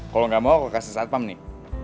kalau gak mau aku kasih saat pam nih